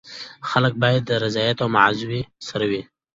خلع باید د رضایت او معاوضې سره وي.